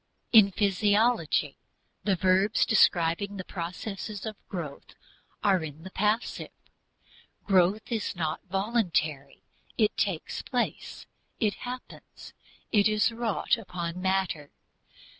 In physiology the verbs describing the processes of growth are in the passive. Growth is not voluntary; it takes place, it happens, it is wrought upon matter.